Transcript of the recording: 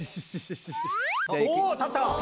お立った！